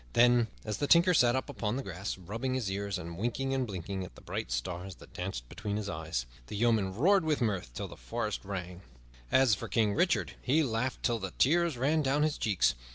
Then, as the Tinker sat up upon the grass, rubbing his ear and winking and blinking at the bright stars that danced before his eyes, the yeomen roared with mirth till the forest rang. As for King Richard, he laughed till the tears ran down his cheeks.